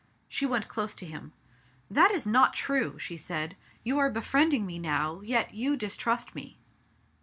She went close to him. '* That is not true," she said. " You are be friending me now, yet you distrust me."